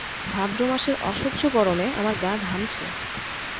ভাদ্র মাসের অসহ্য গরমে আমার গা ঘামছে।